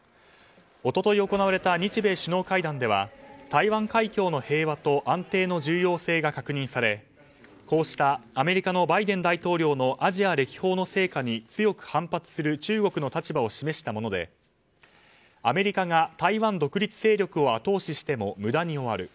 一昨日行われた日米首脳会談では台湾海峡の平和と安定の重要性が確認されこうしたアメリカのバイデン大統領のアジア歴訪の成果に強く反発する中国の立場を示したものでアメリカが台湾独立勢力を後押ししても無駄に終わる。